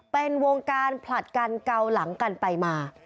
เป็นวงการผลัดกันเกาหลังกันไปมา